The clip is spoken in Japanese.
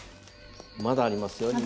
まだありますよ。